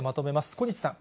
小西さん。